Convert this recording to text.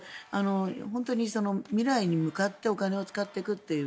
本当に未来に向かってお金を使っていくという。